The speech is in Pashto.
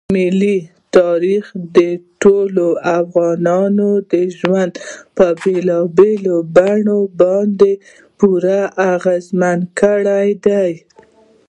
ملي تاریخ د ټولو افغانانو ژوند په بېلابېلو بڼو باندې پوره اغېزمن کړی دی.